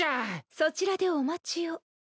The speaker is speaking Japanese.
そちらでお待ちを。